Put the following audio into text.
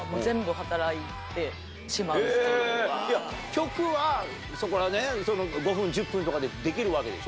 曲は５分１０分とかでできるわけでしょ？